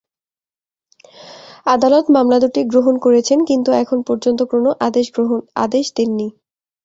আদালত মামলা দুটি গ্রহণ করেছেন, কিন্তু এখন পর্যন্ত কোনো আদেশ দেননি।